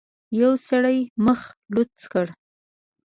يوه سړي مخ لوڅ کړ.